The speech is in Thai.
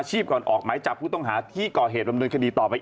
ก่อนออกหมายจับผู้ต้องหาที่ก่อเหตุดำเนินคดีต่อไป